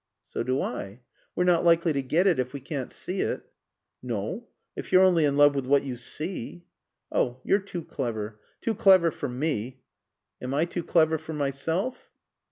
"So do I. We're not likely to get it if we can't see it." "No. If you're only in love with what you see." "Oh, you're too clever. Too clever for me." "Am I too clever for myself?"